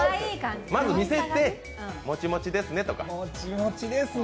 まず、見せて、もちもちですね、とかもちもちですね